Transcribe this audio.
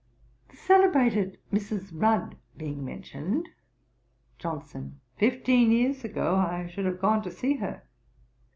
The celebrated Mrs. Rudd being mentioned. JOHNSON. 'Fifteen years ago I should have gone to see her.'